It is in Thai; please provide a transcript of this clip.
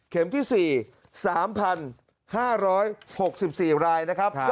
เข็มที่สี่๓๕๖๔รายนะครับ